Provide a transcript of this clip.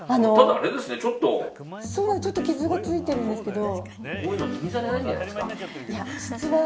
ちょっと傷がついてるんですけど。